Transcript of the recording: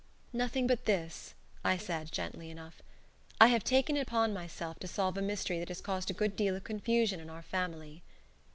"Nothing but this," I said, gently enough. "I have taken it upon myself to solve a mystery that has caused a good deal of confusion in our family."